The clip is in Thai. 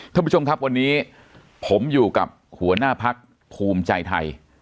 ท่านผู้ชมครับวันนี้ผมอยู่กับหัวหน้าพักภูมิใจไทย